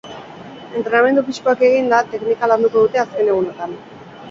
Entrenamendu fisikoak eginda, teknika landuko dute azken egunotan.